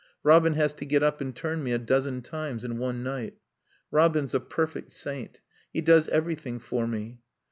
Robin has to get up and turn me a dozen times in one night.... Robin's a perfect saint. He does everything for me."